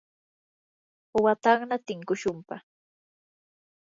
watanna tinkushunpaq.